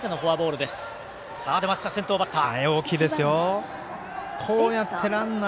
出ました、先頭バッター。